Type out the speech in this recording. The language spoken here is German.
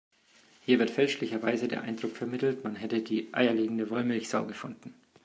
Hier wird fälschlicherweise der Eindruck vermittelt, man hätte die eierlegende Wollmilchsau gefunden.